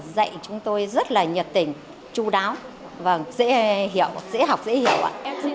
dạy chúng tôi rất là nhiệt tình chú đáo dễ học dễ hiểu ạ